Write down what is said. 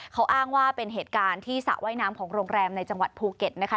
เขาอ้างว่าเป็นเหตุการณ์ที่สระว่ายน้ำของโรงแรมในจังหวัดภูเก็ตนะคะ